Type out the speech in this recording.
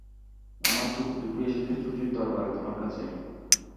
আমার চোখ দুটো এসেছে ছুটির দরবারে তোমার কাছে।